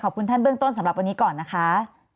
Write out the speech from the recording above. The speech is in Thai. ขอบคุณท่านเบื้องต้นสำหรับวันนี้ก่อนนะคะ